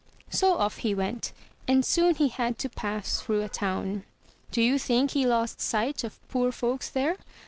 So off he went; and soon he had to pass through a town. Do you think he lost sight of poor folks there?